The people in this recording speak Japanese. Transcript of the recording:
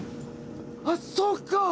あっそうか！